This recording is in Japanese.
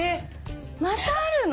またあるの？